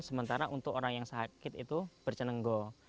sementara untuk orang yang sakit itu bercenenggo